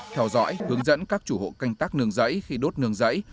theo dõi hướng dẫn các chủ hộ canh tác nương rẫy khi đốt nương rẫy